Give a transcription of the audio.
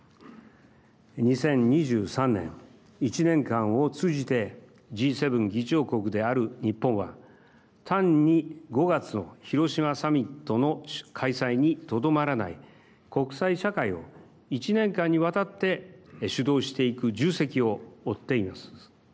２０２３年１年間を通じてＧ７議長国である日本は単に５月の広島サミットの開催にとどまらない国際社会を１年間にわたって主導していく重責を負っています。